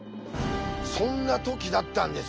そんな時だったんです。